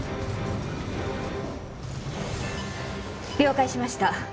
了解しました。